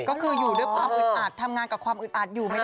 ก็คืออยู่ด้วยความอึดอัดทำงานกับความอึดอัดอยู่ไหมคะ